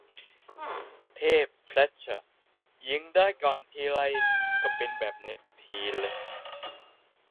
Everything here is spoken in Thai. เทพเฟล็ทเชอร์ยิงได้ก่อนทีไร เป็นแบบนี้ทุกที